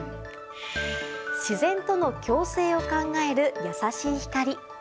自然との共生を考える優しい光。